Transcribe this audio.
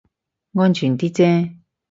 安全啲啫